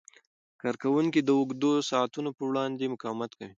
کارکوونکي د اوږدو ساعتونو په وړاندې مقاومت کوي.